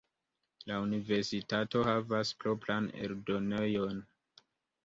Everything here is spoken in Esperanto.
La universitato havas propran eldonejon.